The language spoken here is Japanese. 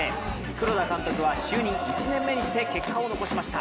黒田監督は就任１年目にして結果を残しました。